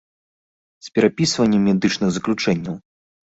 З перапісваннем медычных заключэнняў.